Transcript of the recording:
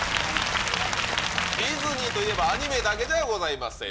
ディズニーといえば、アニメだけではございません。